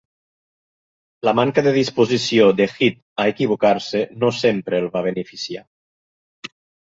La manca de disposició de Head a equivocar-se no sempre el va beneficiar.